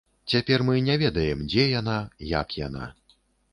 Цяпер мы не ведаем, дзе яна, як яна.